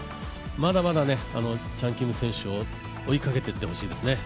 まだまだチャン・キム選手を追いかけていってほしいですね。